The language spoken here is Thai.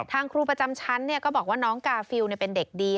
ครูประจำชั้นก็บอกว่าน้องกาฟิลเป็นเด็กดี